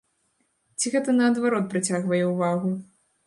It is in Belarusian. Ці гэта наадварот прыцягвае ўвагу?